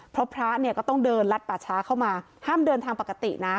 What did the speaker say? เพราะพระเนี่ยก็ต้องเดินลัดป่าช้าเข้ามาห้ามเดินทางปกตินะ